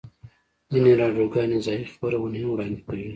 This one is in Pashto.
ځینې راډیوګانې ځایی خپرونې هم وړاندې کوي